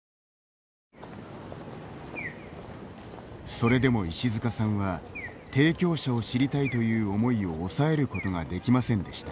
それでも石塚さんは提供者を知りたいという思いを抑えることができませんでした。